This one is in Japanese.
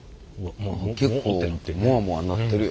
結構モワモワなってるよ。